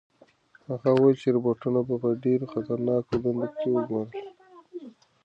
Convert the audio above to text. هغه وویل چې روبوټونه به په ډېرو خطرناکو دندو کې وګمارل شي.